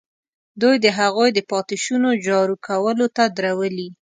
دوی د هغوی د پاتې شونو جارو کولو ته درولي.